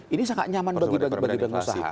ini sangat nyaman bagi pengusaha